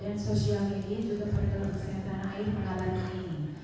dan sosial media juga berteruskan tanah air mengalami ini